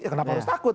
ya kenapa harus takut